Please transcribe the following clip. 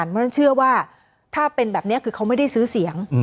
เพราะฉะนั้นเชื่อว่าถ้าเป็นแบบนี้คือเขาไม่ได้ซื้อเสียง